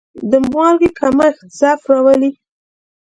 د مالګې کمښت ضعف راولي.